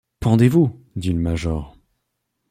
Pendez-vous ! dit le major.